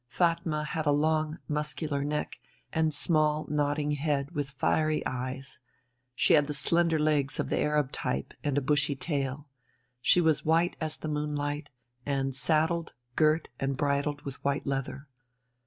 Fatma had a long, muscular neck and small, nodding head with fiery eyes; she had the slender legs of the Arab type, and a bushy tail. She was white as the moonlight, and saddled, girt, and bridled with white leather.